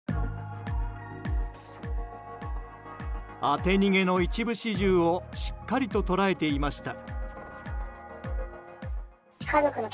当て逃げの一部始終をしっかりと捉えていました。